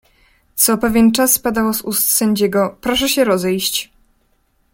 "Co pewien czas padało z ust sędziego: „proszę się rozejść“."